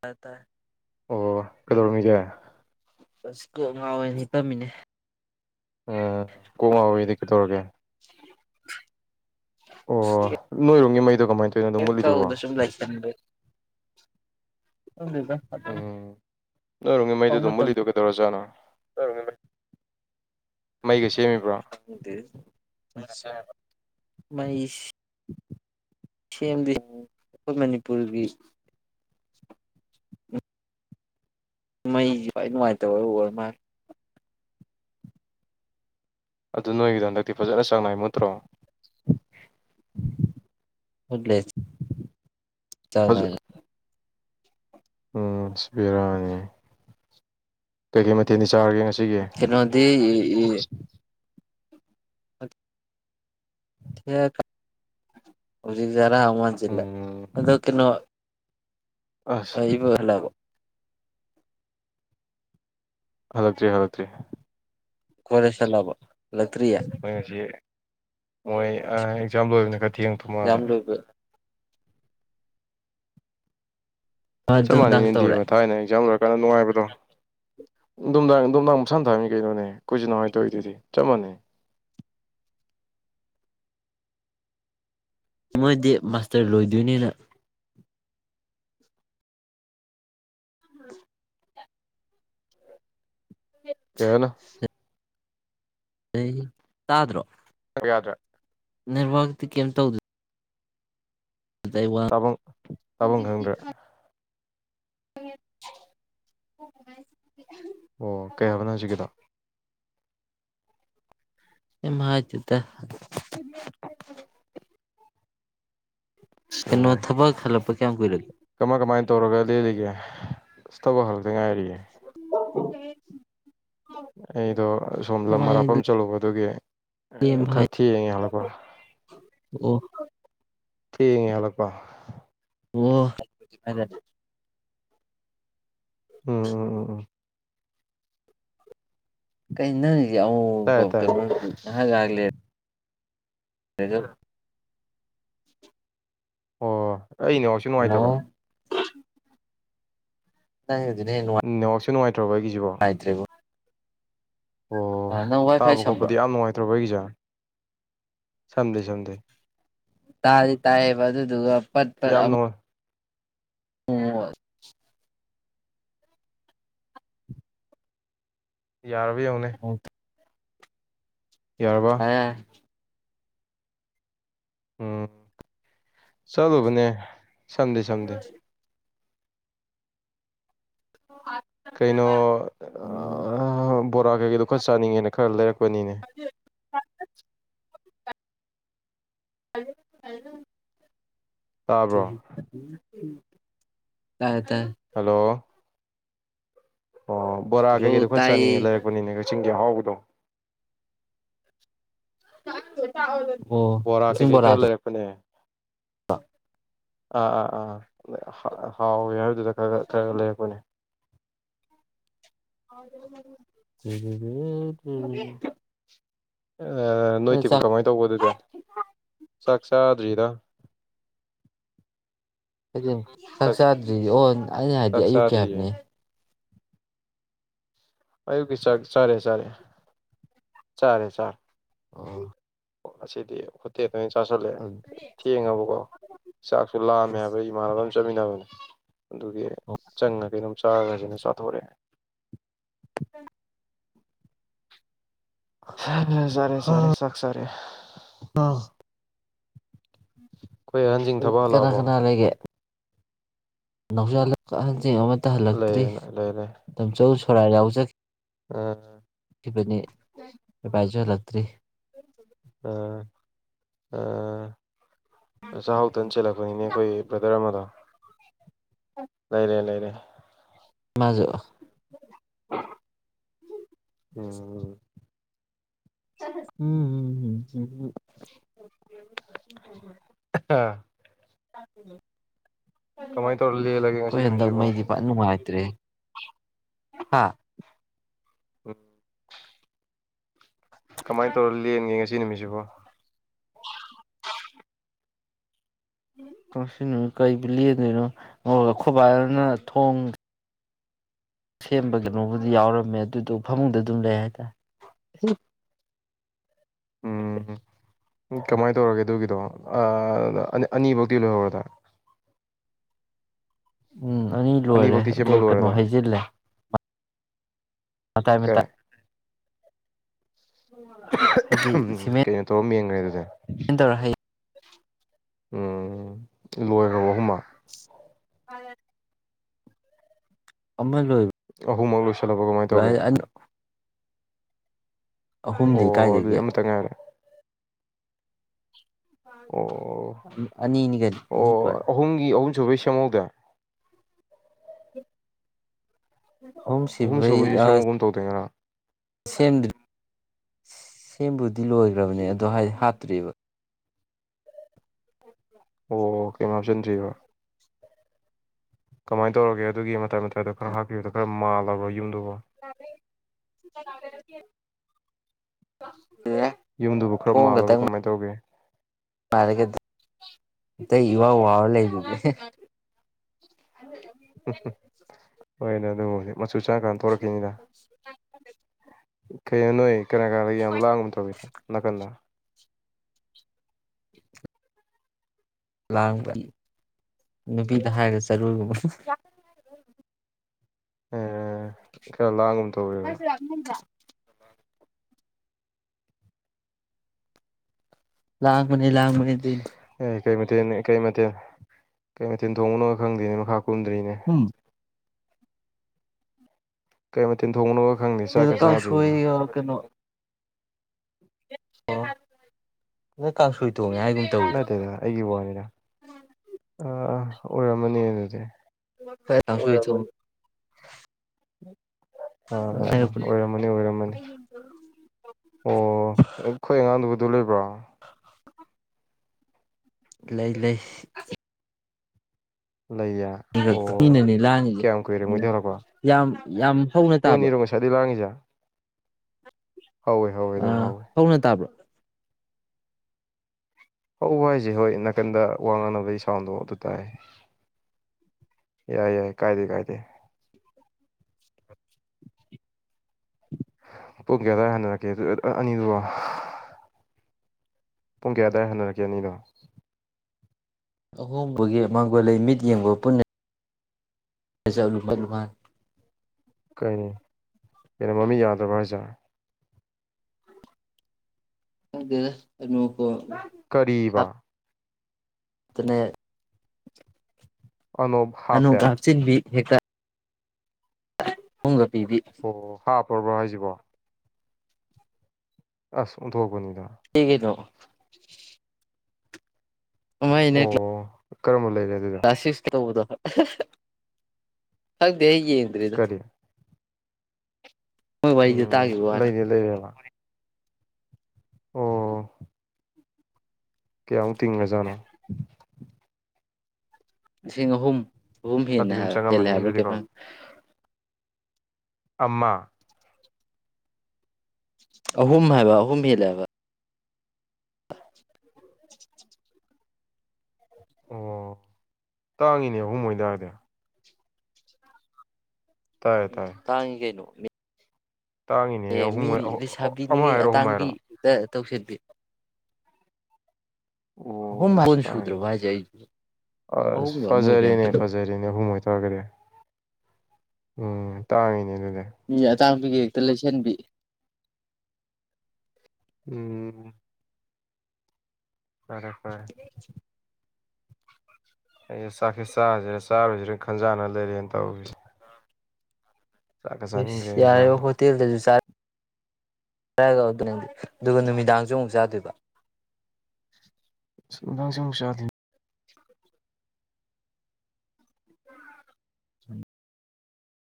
ꯇ ꯇꯥꯏ꯫ ꯑꯣ ꯀꯩꯗꯧꯔꯝꯅꯤꯒꯦ꯫ ꯑꯁ ꯀꯣꯛ ꯉꯥꯎꯋꯦꯅ ꯍꯤꯄꯥꯝꯃꯤꯅꯦ꯫ ꯑꯥ ꯀꯣꯛ ꯉꯥꯎꯋꯦꯗꯤ ꯀꯩꯗꯧꯔꯒꯦ꯫ ꯑꯣ ꯅꯣꯏꯔꯣꯝꯒꯤ ꯃꯩ ꯑꯗꯨ ꯀꯃꯥꯏꯅ ꯇꯧꯔꯤꯅꯣ ꯑꯗꯝ ꯀꯩꯝ ꯃꯨꯠꯂꯤꯗꯨꯕꯣ꯫ ꯇꯧꯗ ꯁꯨꯝ ꯂꯩꯁꯟꯕꯩ ꯈꯪꯗꯦꯗ ꯑꯗꯨꯝ ꯎꯝ ꯅꯣꯏꯔꯣꯝꯒꯤ ꯃꯩꯗꯣ ꯄꯪꯕ ꯇꯝ ꯑꯗꯨꯝꯃꯨꯠꯂꯤꯗꯣ ꯀꯩꯗꯧꯔꯖꯥꯠꯅꯣ꯫ ꯃꯩꯒ ꯁꯦꯝꯃꯤꯕ꯭ꯔꯣ [unintelligible] ꯈꯪꯗꯦꯍꯦ꯫ [unintelligible] ꯃꯩ ꯁꯦꯝꯗꯦ ꯑꯩꯈꯣꯏ ꯃꯅꯤꯄꯨꯔꯒꯤ꯫ ꯃꯩꯁꯤ ꯈ꯭ꯋꯥꯏ ꯅꯨꯡꯉꯥꯏꯇꯕ ꯑꯣꯏꯔ ꯃꯥꯜꯂꯦ꯫ ꯑꯗꯨ ꯅꯣꯏꯒꯤ ꯍꯟꯗꯛꯇꯤ ꯐꯖꯅ ꯆꯥꯡꯅꯥꯏꯅ ꯃꯨꯠꯇ꯭ꯔꯣ꯫ ꯃꯨꯠꯂꯦ꯫ ꯆꯥꯡ ꯐꯖ ꯅꯥꯏꯅ꯫ ꯎꯝ ꯑꯁ ꯕꯦꯔꯅꯦ꯫ ꯀꯩꯒꯤ ꯃ [unintelligible] ꯀꯩꯅꯣꯗꯤ [unintelligible] ꯎꯝ [unintelligible] ꯑꯗꯨꯗ ꯀꯩꯅꯣ ꯑꯁ [unintelligible] ꯍꯜꯂꯛꯇ꯭ꯔꯤ ꯍꯜꯂꯛꯇ꯭ꯔꯤ ꯈꯂꯁꯂꯕ ꯂꯀꯔꯤ ꯍꯣꯏ ꯑꯦꯛꯖꯥꯝ ꯂꯣꯏꯕꯅꯤ ꯈꯔ ꯊꯦꯡ ꯌꯦꯡ ꯊꯣ ꯌꯥꯝ ꯃꯥꯜꯂꯦ ꯂꯣꯏꯕ ꯑꯗꯨ ꯆꯞ ꯃꯥꯟꯅꯅꯦ ꯅꯨꯡꯗꯥꯡ ꯇꯧꯔꯦ ꯅꯅꯦꯗꯤꯕ ꯊꯥꯏꯅ ꯑꯦꯛꯖꯥꯝꯔ ꯀꯩꯅꯣ ꯅꯨꯡꯉꯥꯏꯕꯗꯣ ꯝꯗꯥꯡ ꯅꯨꯡꯗꯥꯡ ꯃꯁꯥꯅ ꯊꯥꯔꯝꯅꯤ ꯀꯩꯅꯣꯅꯦ ꯀꯨꯏꯁꯨ ꯅꯨꯡꯉꯥꯏꯇꯧꯏ ꯑꯗꯨꯗꯤ ꯆꯞ ꯃꯥꯟꯅꯩ ꯃꯣꯏꯗꯤ ꯃꯥꯁꯇꯔ ꯂꯣꯏꯗꯣꯏꯅꯤꯅ ꯎꯝ ꯀꯅ ꯑꯦ ꯇ꯭ꯔꯣ ꯌꯥꯗ꯭ꯔꯥ ꯅꯤꯔꯚꯔꯇꯤ ꯀꯩꯝ ꯇꯧꯗ ꯇꯥꯕ ꯇꯥꯕꯐꯝ ꯈꯪꯗ꯭ꯔ ꯎ ꯑꯣ ꯀꯩ ꯍꯥꯏꯕꯅꯣ ꯍꯧꯖꯤꯛꯀꯤꯗ ꯑꯆꯗꯦ ꯑꯣ ꯩꯅ ꯊꯕꯛ ꯍꯜꯂꯞꯄ ꯀꯌꯥꯝ ꯑꯣꯏꯔꯛ ꯀꯃꯥꯏ ꯀꯃꯥꯏꯅ ꯇꯧꯔꯒ ꯂꯦꯜꯂꯤꯒꯦ ꯁꯇꯕ ꯍꯥꯜ ꯑꯗꯨꯉꯥꯏꯔꯤꯌꯦꯦ ꯍ ꯑꯩꯗꯣ ꯁꯣꯝ ꯂꯝ ꯑꯔꯥꯞꯄꯝ ꯍꯥꯏ ꯆꯠꯂꯨꯕ ꯑꯗꯨꯒꯤ ꯈ ꯊꯤ ꯍꯂꯄ ꯑꯣ ꯊꯦꯡꯉꯦ ꯍꯂꯛꯄ ꯑꯣ ꯐꯗ ꯎꯝ ꯎꯝ ꯎꯝ ꯎꯝ ꯀꯩ ꯅ ꯇꯥꯏꯌꯦ ꯀ ꯇꯥꯏꯌꯦ ꯍꯥꯏꯂ ꯍꯅ ꯑꯣ ꯑꯩ ꯏꯅꯦꯁꯨ ꯑꯃꯣ ꯅꯨꯡꯉꯥꯏꯇꯕꯥ ꯅꯪꯒꯤꯗꯨꯅ ꯍꯦꯟꯅ ꯅꯍꯥꯛꯁꯨ ꯅꯨꯡꯉꯥꯏꯇ꯭ꯔꯕ ꯑꯩꯒꯤꯁꯤꯕꯣ ꯅꯨꯡꯉꯥꯏꯇ꯭ꯔꯦꯕꯣ ꯅꯪ ꯑꯣ ꯋꯥꯏ ꯐꯥꯏ ꯇꯥꯕ ꯁꯝꯕ꯭ꯔꯣ ꯈꯣꯠꯄꯗꯤ ꯌꯥꯝ ꯅꯨꯡꯉꯥꯏꯇ꯭ꯔꯕ ꯑꯩꯒꯤꯁꯦ ꯁꯝꯗ ꯁꯝꯗ ꯇꯥꯗꯤ ꯇꯥꯏꯌꯦꯕꯗꯨꯗꯨꯒ ꯄꯗ ꯄ ꯌꯥꯝ ꯑꯃ ꯅꯨꯡꯉꯥꯏ ꯑꯣ ꯌꯥꯔꯕ ꯍꯧꯅꯦ ꯑ ꯎꯝ ꯆꯂꯨ ꯃꯅꯦ ꯁꯪꯗꯦ ꯁꯪꯗꯦ ꯀꯩꯅꯣ ꯕꯣꯔꯥ ꯀꯩꯗꯣ ꯈꯔ ꯆꯥꯉꯦꯅ ꯈꯔ ꯂꯩꯔꯛ ꯑꯗꯨ ꯍꯂ ꯇꯥꯕ꯭ꯔꯣ ꯎꯝ ꯇꯥꯏ ꯇꯥꯏ ꯍꯜꯂꯣ ꯑꯣ ꯕꯣꯔꯥ ꯍꯜꯂꯣ ꯀꯩꯀꯩꯗꯣ ꯈꯔ ꯆꯥꯅꯤꯡꯉꯦ ꯇꯥꯏꯌꯦ ꯂꯩꯔꯛꯄꯅꯤꯅꯦ ꯀꯛꯆꯤꯡ ꯑꯍꯥꯎꯕꯗꯣ [unintelligible] ꯑꯣ ꯕꯣꯔꯥ ꯀꯛꯆꯤꯡ ꯀꯩꯀꯩ ꯈꯔ ꯕꯣꯔꯥꯗꯨꯔꯣ ꯂꯩꯔꯛꯄꯅꯦ ꯑ ꯑꯥ ꯑꯥ ꯍꯥꯎ ꯌꯥ ꯑꯗꯨꯗ ꯈꯔ ꯈꯔ ꯂꯩꯔꯛꯄꯅꯦ ꯁꯤ [unintelligible] ꯅꯣꯏ ꯇꯤꯝ ꯀꯃꯥꯏꯅ ꯇꯧꯕ ꯑꯗꯨꯗꯤ ꯆꯥꯛ ꯆꯥꯗ꯭ꯔꯤꯗ ꯍꯥꯏ ꯆꯥꯛ ꯆꯥꯗ꯭ꯔꯤ ꯑꯣꯟ ꯑꯩꯅ ꯍꯥꯏꯕꯗꯤ ꯆꯥꯛ ꯑꯌꯨꯛꯀꯤ ꯆꯥꯗ꯭ꯔꯤꯌꯦ ꯍꯥꯏꯕꯅꯦ ꯑꯌꯨꯛꯀꯤ ꯆꯥꯛ ꯆꯥꯔꯦ ꯆꯥꯔꯦ ꯆꯥꯔꯦ ꯆꯥꯔꯦ ꯑꯣ ꯉꯁꯤꯗꯤ ꯍꯣꯇꯦꯜ ꯑꯗꯨꯃꯥꯏ ꯆꯥꯥꯁꯜꯂꯛꯑꯦ ꯊꯦꯡꯉꯕꯀꯣ ꯆꯥꯛꯁꯨ ꯂꯥꯝꯃꯦ ꯍꯥꯏꯕ ꯏꯃꯥꯟꯅꯕ ꯆꯥꯃꯤꯟꯅꯕꯅꯤ ꯑꯗꯨꯒꯤ ꯆꯪꯉ ꯀꯩꯅꯣꯝ ꯆꯥꯈꯔꯁꯦꯅ ꯆꯥꯊꯣꯛꯑꯦ ꯆꯥꯔꯦ ꯆꯥꯔꯦ ꯆꯥꯛ ꯆꯥꯔꯦ ꯑꯩꯈꯣꯏ ꯑ ꯎ [unintelligible] ꯎꯝ ꯀꯅꯥ ꯀꯅꯥ ꯂꯩꯒꯦ ꯅꯥꯑꯣꯆꯥ ꯑꯍꯜ [inaudible] ꯑꯃꯇ ꯍꯜꯂꯛꯇ꯭ꯔꯤ ꯂꯩꯌꯦꯅ ꯂꯩ ꯂꯩ ꯇꯥꯝꯆꯧ ꯁꯣꯔꯥꯠ ꯌꯥꯎ ꯆꯠ ꯑꯥ ꯈꯤꯕꯅꯦ ꯑꯩꯈꯣꯏ ꯚꯥꯏꯁꯨ ꯍꯜꯂꯛꯇ꯭ꯔꯤ ꯑ ꯑ ꯆꯍꯥꯎꯇꯟ ꯆꯦꯜꯂꯛꯄꯅꯤꯅꯦ ꯑꯩꯈꯣꯏ ꯕ꯭ꯔꯗꯔ ꯑꯃꯗ ꯂꯩꯔꯦ ꯂꯩꯔꯦ ꯏꯃꯥꯁꯨ ꯎꯝ ꯎꯝ ꯎꯝ ꯎꯝꯝꯝꯝ ꯑꯥ [unintelligible] ꯀꯃꯥꯏꯅ ꯇꯧꯔ ꯂꯦꯜꯂꯒꯦ ꯉꯁꯤ ꯑꯩꯈꯣꯏ ꯍꯟꯗꯛ ꯅꯨꯃꯤꯠꯁꯤꯕꯣ ꯃꯩꯗꯤ ꯐ ꯅꯨꯡꯉꯥꯏꯇ꯭ꯔꯦꯍꯦ ꯍꯥꯥ ꯎꯝ ꯀꯃꯥꯏꯅ ꯇꯧꯔ ꯂꯦꯜꯒꯦ ꯉꯁꯤ ꯁꯤ ꯅꯨꯃꯤꯁꯤꯕꯣ ꯀꯁꯤꯅꯨ ꯀꯩꯕꯨ ꯂꯦꯟꯗꯣꯏꯅꯣ ꯑꯥ ꯈꯑꯈꯣꯏꯕꯥꯅ ꯊꯣꯡ ꯁꯦꯝꯕ ꯀꯩꯅꯣꯕꯨꯗꯤ ꯌꯥꯎꯔꯝꯃꯦ ꯑꯗꯨꯗꯣ ꯐꯃꯨꯡꯗ ꯑꯗꯨꯝ ꯂꯩ ꯍꯥꯏꯇꯥꯔꯦ ꯎꯝ ꯀꯃꯥꯏꯅ ꯇꯧꯔꯒꯦ ꯑꯗꯨꯒꯤꯗꯣ ꯑ ꯑꯅꯤ ꯐꯧꯗꯤ ꯂꯣꯏꯍꯧꯔꯗꯥꯏ ꯎꯝ ꯑꯅꯤ ꯂꯣꯏꯔꯦ ꯑꯅꯤꯐꯧꯗꯤ ꯑꯗꯣ ꯁꯦꯝꯕ ꯀꯩꯅꯣ ꯂꯣꯏꯔꯗ ꯍꯩꯖꯤꯜꯂꯦ ꯃꯇꯥꯏ ꯃꯇꯥꯏ ꯀꯩꯅ ꯇꯧꯔꯒ ꯃꯦꯟ ꯈꯔ꯭ꯦ ꯑꯗꯨꯗꯤ ꯀꯃꯥꯏꯅ ꯇꯧꯔꯒ ꯍꯩ [unintelligible] ꯎꯝ ꯂꯣꯏꯈ꯭ꯔꯕ ꯑꯍꯨꯝꯃꯛ ꯑ [unintelligible] ꯑꯃ ꯂꯣꯏ ꯑꯍꯨꯝꯃꯛ ꯂꯣꯏꯁꯟ ꯁꯜꯂꯕꯣ ꯀꯃꯥꯏꯅ ꯇꯧꯒꯦ ꯑꯍꯨꯝꯗꯤ ꯑꯣ ꯑꯗꯨꯗꯤ ꯀꯥꯏꯗꯒꯤ ꯑꯃꯇ ꯉꯥꯏꯔꯦ ꯑꯣ ꯑꯅꯤꯅꯤꯒꯅꯤ ꯑꯅꯤ ꯇ ꯑꯣꯏꯔꯦ ꯖꯨꯕꯤꯁ ꯁꯦꯝꯍꯧꯗꯦ ꯐꯥꯃꯨꯡ ꯑꯍꯨꯝ ꯁꯦꯝꯕꯩ ꯁꯨꯕꯩꯁꯨ ꯑꯁ ꯁꯦꯝꯍꯧꯒꯨꯝ ꯇꯧꯗꯣꯏꯅꯤꯅ ꯁꯦꯝꯗ꯭꯭ꯔꯔꯤ ꯁꯦꯝꯕꯨꯗꯤ ꯂꯣꯏꯒꯔꯥꯕꯅꯦ ꯑꯗꯣ ꯍꯥꯏꯗꯤ ꯍꯥꯠꯇ꯭ꯔꯤꯕ ꯑꯣ ꯑꯣ ꯀꯩꯌꯤꯝ ꯍꯥꯞꯆꯤꯟꯗ꯭ꯔꯤꯕ ꯀꯃꯥꯏꯅ ꯇꯧꯔꯒꯦ ꯑꯗꯨꯒꯤ ꯃꯇꯥꯏ ꯃꯇꯥꯏꯗ ꯈꯔ ꯍꯥꯞꯄꯤꯕꯗꯣ ꯈꯔ ꯃꯥꯜꯂꯕ ꯌꯨꯝꯗ [inaudible] [inaudible] [unintelligible] ꯌꯨꯝꯗꯨꯕꯨ ꯈꯔ ꯃꯥꯜꯂꯕ ꯀꯃꯥꯏꯅ ꯇꯧꯒꯦ ꯃꯥꯂꯦ ꯀꯩꯅ ꯑꯇꯩ ꯏꯋꯥꯎ ꯋꯥꯎꯔ ꯂꯩ ꯍꯣꯏꯅꯦ ꯑꯗꯨꯕꯨ ꯑꯣꯏꯗꯤ ꯃꯆꯨ ꯁꯡꯉꯥꯀꯥꯟꯗ ꯊꯣꯛꯂꯛꯈꯤꯅꯤꯗ ꯀꯩꯩꯅꯣ ꯅꯣꯏ ꯀꯅꯥ ꯀꯅꯥꯗ ꯌꯥꯝ ꯂꯥꯡꯕ ꯇꯧꯋꯤꯗ ꯅꯥꯀꯟꯗ ꯂꯥꯡꯕ ꯅꯨꯄꯤꯗ ꯍꯥꯏꯔꯒ ꯆꯔꯨꯒꯨꯝ [unintelligible] ꯈꯔ ꯂꯥꯡꯒꯨꯝ [unintelligible] [inaudible] ꯂꯥꯡ ꯕꯅꯤ ꯂꯥꯡꯕꯅꯤ ꯑꯗꯨꯏꯅꯤ ꯫ ꯑꯦ ꯀꯩ ꯃꯊꯦꯜ ꯀꯩ ꯃꯊꯦꯜ ꯀꯩ ꯃꯊꯦꯜ ꯊꯣꯡꯕꯅꯣ ꯈꯪꯗꯦꯅꯦ ꯃꯈ ꯀꯨꯟꯗ꯭ꯔꯤꯅꯦ ꯀꯩ ꯃ ꯊꯦꯟꯊꯣꯡꯅꯕ ꯈꯪꯗꯦ ꯀꯩꯅꯣ ꯆꯥꯛꯀ ꯆꯥꯗ꯭ꯔꯤ ꯀꯥꯡꯁꯣꯏꯒ ꯑꯣ ꯀꯪꯁꯣꯏ ꯅꯠꯇꯦꯗꯥ ꯑꯩꯒꯤ ꯋꯥꯅꯤꯅ꯫ ꯑ ꯑꯣꯏꯔꯝꯃꯅꯤ ꯑꯗꯨꯗꯤ꯫ [unintelligible] [inaudible] ꯑ ꯍꯥꯏꯔꯛꯄꯅꯦ ꯑꯣꯏꯔꯝꯃꯅꯤ ꯑꯣꯏꯔꯝꯃꯅꯤ ꯑꯣ ꯑꯩꯈꯣꯏ ꯑꯉꯥꯡꯗꯨꯕꯨꯗꯨ ꯂꯩꯕ꯭ꯔꯣ? ꯂꯩ ꯂꯩ꯫ ꯂꯩꯌꯦ ꯑꯣ [unintelligible] ꯂꯥꯡꯉꯤꯁꯦ ꯀꯌꯥꯝ ꯀꯨꯏꯔꯦ ꯃꯣꯏꯗꯤ ꯍꯜꯂꯛꯄ ꯌꯥꯝ ꯌꯥꯝ ꯍꯧꯅ ꯇꯥꯕ꯭ꯔꯣ ꯃꯣꯏꯅꯤꯔꯣ ꯉꯥꯁꯥꯏꯗꯩ ꯂꯥꯡꯉꯤꯖꯦ? ꯍꯧꯋꯦ ꯑ ꯑꯗꯨꯝ ꯍꯧꯋꯦ ꯍꯧꯅ ꯇꯥꯕ꯭ꯔꯣ? ꯍꯧꯕ ꯍꯤꯏꯖꯦ ꯍꯣꯏ ꯅꯥꯀꯟꯗ ꯋꯥ ꯉꯥꯡꯅꯕꯒꯤ ꯁꯥꯎꯟꯗꯣ ꯑꯗꯨ ꯇꯥꯏ ꯌꯥꯏ- ꯌꯥꯏ ꯀꯥꯏꯗꯦ - ꯀꯥꯏꯗꯦ꯫ ꯄꯨꯡ ꯀꯌꯥ ꯑꯗꯥꯏ ꯍꯟꯅꯔꯛꯀꯦ ꯗꯨ ꯑ ꯑ ꯑ ꯑꯅꯤꯗꯨꯕꯨ? ꯄꯨꯡ ꯀꯌꯥ ꯑꯗꯥꯏ ꯍꯟꯅꯔꯛꯀꯦ ꯑꯅꯤꯗꯣ? ꯑꯍꯣꯡꯕꯒꯤ ꯃꯥꯡꯒꯣꯜꯂꯩ ꯃꯤꯠ ꯌꯦꯡꯕ ꯄꯨꯟꯅ [unintelligible] ꯀꯩꯅꯦ ꯀꯩꯅꯣ ꯃꯃꯤꯠ ꯌꯥꯗ꯭ꯔꯕ ꯍꯥꯏꯖꯦ? ꯈꯪꯗꯦꯗ ꯑꯅꯣꯛ ꯇꯣ ꯀꯔꯤꯕꯥ? ꯇꯅꯦ ꯑꯅꯣꯞ ꯍꯥꯞꯄꯦ ꯍꯦꯛꯇ [unintelligible] ꯑꯣ ꯍꯥꯥꯞ [unintelligible] ꯍꯥꯏꯖꯤꯕꯣ ꯑꯁ ꯑꯣꯟꯊꯣꯛꯄꯅꯤ! ꯑꯩꯒꯤꯗꫭ ꯑꯃꯥꯏꯅꯦ ꯀ꯭ꯂ ꯀꯔꯝꯃ ꯂꯩ ꯀꯂꯥꯖ ꯁꯤꯛꯁ ꯇꯧꯕꯗꯣ ꯍ ꯑꯍ ꯍ ꯈꯪꯗꯦꯍꯩ ꯌꯦꯡꯗ꯭ꯔꯤꯗ ꯀꯔꯤ ꯃꯣꯏ ꯋꯥꯔꯤꯗꯣ ꯎꯝ ꯇꯥꯈꯤꯕ ꯋꯥꯅꯦ ꯂꯩꯅꯤ ꯂꯩꯔꯦꯕ ꯑꯣ ꯀꯌꯥꯃꯨꯛ ꯇꯤꯡꯉꯖꯅꯣ ꯂꯤꯁꯤꯡ ꯑꯍꯨꯝ ꯑꯍꯨꯝ ꯈꯔꯗꯤ ꯍꯟꯅ ꯑꯗꯨꯝ ꯍꯦꯜꯂꯦ ꯆꯪꯉꯝꯃꯅꯤ ꯍꯥꯏꯕ꯭ꯔꯣ ꯑꯗꯨꯗꯤꯀꯣ ꯀꯩꯝꯃ ꯑꯝꯃ ꯑꯍꯨꯝ ꯍꯥꯏꯕ ꯑꯍꯨꯝ ꯍꯦꯜꯂꯦ ꯍꯥꯏꯕ [unintelligible] ꯑꯣ ꯇꯥꯡꯉꯤꯅꯦ ꯑꯍꯨꯝ ꯑꯣꯏꯇꯥꯔꯗꯤ ꯇꯥꯏꯌꯦ ꯎꯝ ꯇꯥꯏꯌꯦ ꯇꯥꯡꯉꯤ ꯀꯩꯅꯣ ꯃꯤꯠ ꯇꯥꯡꯉꯤꯅꯦꯍꯦ ꯑꯍꯨꯝ ꯍꯣꯏ ꯑ ꯑꯣ ꯑꯃ ꯂꯩꯁꯥꯕꯤꯅꯤꯉꯩ ꯍꯥꯏꯔꯣ ꯑꯍꯨꯝ ꯍꯥꯏꯔꯣ ꯑꯇꯥꯡꯕꯤꯗ ꯇꯧꯁꯤꯟꯕꯤ ꯑꯍꯨꯝ ꯑꯣꯁ ꯀꯣꯟ ꯁꯨꯗ꯭ꯔꯕꯣ ꯇꯥꯡꯉꯤꯅꯦ ꯍꯥꯏꯁꯦ ꯑꯩ ꯑꯁ ꯑꯍꯨꯝꯒ ꯑꯃꯒꯗꯤ ꯌꯥꯝ ꯐꯖꯔꯦꯅꯦ ꯀꯩꯅꯣ ꯐꯖꯔꯦꯅꯦ ꯑꯍꯨꯝ ꯑꯣꯏ ꯇꯥꯗꯤ ꯎꯝ ꯇꯥꯡꯉꯤꯅꯦ ꯑꯗꯨꯗꯤ ꯎ ꯑꯇꯥꯡꯕꯤꯒ ꯍꯦꯛꯇ ꯂꯩꯁꯟꯕꯤ ꯎꯝ ꯐꯔꯦ ꯐꯔꯦ ꯑꯩ ꯆꯥꯛꯁꯤ ꯆꯥꯁꯤꯔ ꯆꯥꯔꯣꯏꯁꯤꯔ ꯈꯟꯖꯥꯟꯅ ꯂꯩꯔꯦꯅ ꯇꯧꯔꯤꯁꯦ ꯆꯥꯛꯀ ꯆꯥꯅꯤꯡꯗ꯭ꯔꯦ ꯏꯁꯁ ꯑꯩ ꯌꯥꯔꯦꯕꯣ ꯏꯁꯥꯁꯦ ꯍꯣꯇꯦꯜꯗꯁꯨ ꯆꯥ ꯒ ꯑꯗꯨꯅꯗꯤ ꯑꯗꯨꯒ ꯅꯨꯃꯤꯗꯥꯡꯁꯨ ꯑꯃꯨꯛ ꯆꯥꯗꯣꯏꯕ ꯅꯨꯃꯤꯠꯗꯥꯡꯁꯨ ꯑꯃꯨꯛ ꯆꯥꯗꯣꯏꯅꯤ [unintelligible] ꯑ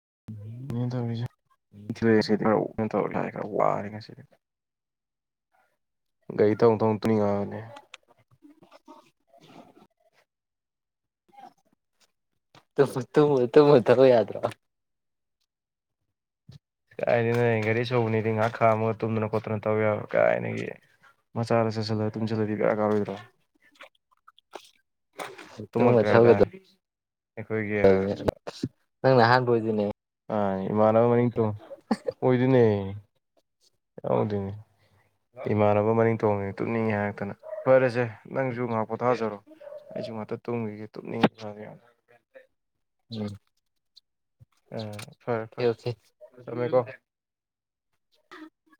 [unintelligible] [unintelligible] ꯇꯧꯔ ꯂ ꯈꯔ ꯋꯥꯔꯦ ꯉꯁꯤꯗꯤ ꯒꯥꯔꯤ ꯊꯧ ꯊꯧꯅ ꯇꯨꯝꯅꯤꯡꯉꯛꯑꯕꯅꯦ ꯇꯨꯝ ꯇꯨꯝꯃ ꯊꯧꯕ ꯌꯥꯗꯔꯣ ꯀꯥꯏꯗꯒꯤꯅꯣ ꯒꯥꯔꯤ ꯑꯆꯧꯕꯅꯤꯗꯤ ꯉꯥꯏꯍꯥꯛ ꯈꯥꯝꯃꯒ ꯇꯨꯝꯗꯅ ꯈꯣꯠꯇꯅ ꯠꯇꯅ ꯇꯧ ꯌꯥꯕ ꯀꯥꯏꯗꯒꯤ ꯃꯆꯥꯗ ꯆꯠꯁꯤꯜꯂ ꯇꯨꯝꯁꯤꯜꯂꯗꯤ ꯕꯦꯔꯥ ꯀꯥꯔꯣꯏꯗ꯭ꯔꯣ ꯇꯨꯃ ꯀꯗ ꯑꯗꯨ ꯅꯪ ꯅꯍꯥꯟꯕ ꯑꯣꯏꯗꯨꯣꯏꯅꯦ ꯃꯅꯤꯅꯦ ꯏꯃꯥꯟꯅꯕ ꯃꯅꯤꯡ ꯇꯣꯡ ꯑꯣꯏꯗꯨꯢꯅꯦ ꯌꯥꯎꯗꯣꯏꯅꯦ ꯏꯃꯥꯟꯅꯕ ꯃꯅꯤꯡ ꯇꯣꯡꯉꯤ ꯇꯨꯝꯅꯤꯡꯉꯤ ꯍꯥꯏꯔꯥꯛꯇꯅ ꯐꯔꯦꯁꯦ ꯅꯪꯁꯨ ꯉꯥꯏꯍꯥꯛ ꯄꯣꯊꯥꯖꯔꯣ ꯑꯩꯁꯨ ꯉꯥꯛꯇ ꯇꯨꯝꯈꯤꯒꯦ ꯇꯨꯝꯅꯤꯡꯉꯦ ꯎꯝ ꯑ ꯐꯔꯦ ꯐꯔꯦ ꯑꯣꯀꯦ ꯊꯝꯃꯦꯀꯣ ꯎ [unintelligible]